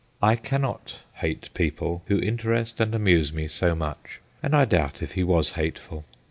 I cannot hate people who interest and amuse me so much, and I doubt if he was hateful.